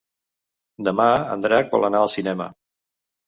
Demà en Drac vol anar al cinema.